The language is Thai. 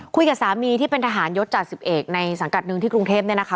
คุยกับสามีที่เป็นทหารยศจาก๑๑ในสังกัดหนึ่งที่กรุงเทพเนี่ยนะคะ